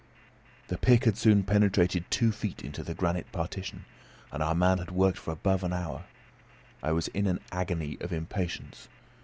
The pick had soon penetrated two feet into the granite partition, and our man had worked for above an hour. I was in an agony of impatience.